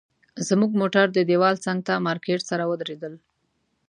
زموږ موټر د دیوال څنګ ته مارکیټ سره ودرېدل.